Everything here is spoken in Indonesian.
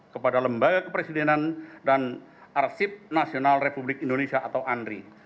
kepada lembaga kepresidenan dan arsip nasional republik indonesia atau andri